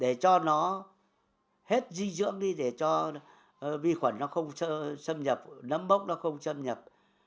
để cho nó hết dinh dưỡng đi để cho vi khuẩn nó không xâm nhập nấm bốc nó không xâm nhập